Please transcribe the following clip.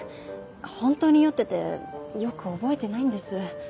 本当に酔っててよく覚えてないんです。